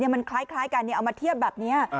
มันคล้ายกันเอามาเทียบแบบนี้